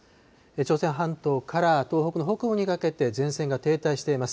朝鮮半島から東北の北部にかけて前線が停滞しています。